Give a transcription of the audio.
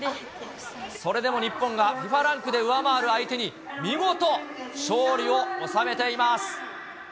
それでも日本がＦＩＦＡランクで上回る相手に、見事、勝利を収めています。